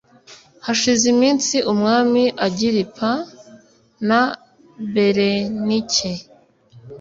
hashize iminsi umwami agiripa na berenike